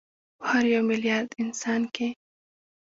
په هر یو میلیارد انسان کې